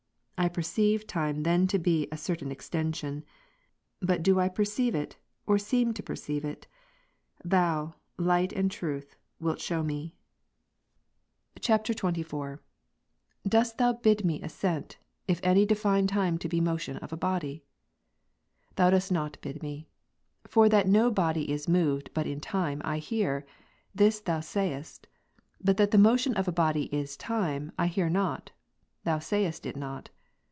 I perceive time then to be a certain extension. But do I perceive it, or seem to perceive it ? Thou, Light and Truth, wilt shew me. R 242 The motions of bodies not time. CONF. [XXIV.] 31. Dost Thou bid me assent, if any define time to be " motion of a body ?" Thou dost not bid me. For that no body is moved, but in time, I hear ; this Thou sayest ; but that the motion of a body is time, I hear not ; Thou sayest it not.